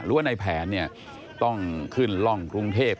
ว่าในแผนเนี่ยต้องขึ้นร่องกรุงเทพ